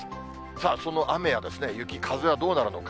さあ、その雨や雪、風はどうなるのか。